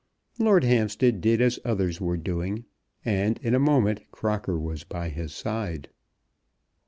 Lord Hampstead did as others were doing, and in a moment Crocker was by his side.